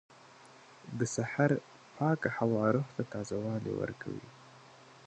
• د سهار پاکه هوا روح ته تازهوالی ورکوي.